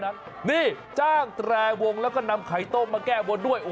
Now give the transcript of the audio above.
เนี่ยนี่นัมไข่โต้มาแก้บนด้วย